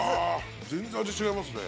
全然味違いますね